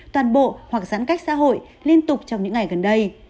toàn bộ hoặc giãn cách xã hội liên tục trong những ngày gần đây